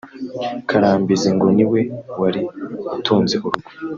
Karambizi ngo ni we wari utunze urugo